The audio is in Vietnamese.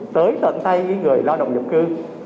tới tận tay người lao động nhập cư